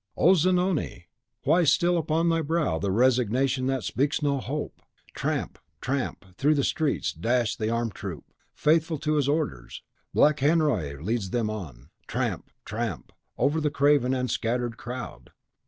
O Zanoni! why still upon THY brow the resignation that speaks no hope? Tramp! tramp! through the streets dash the armed troop; faithful to his orders, Black Henriot leads them on. Tramp! tramp! over the craven and scattered crowd!